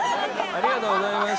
ありがとうございます。